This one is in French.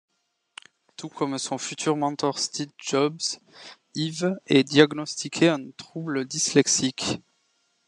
Tout comme son futur mentor Steve Jobs, Ive est diagnostiqué un trouble dyslexique.